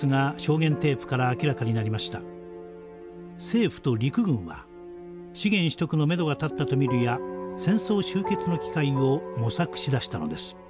政府と陸軍は資源取得のめどが立ったと見るや戦争終結の機会を模索しだしたのです。